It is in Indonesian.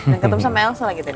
dan ketemu sama elso lagi tadi